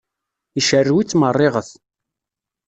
Icerrew-itt meṛṛiɣet.